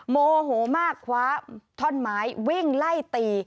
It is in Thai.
โมโหมากคว้าท่อนไม้วิ่งไล่ตี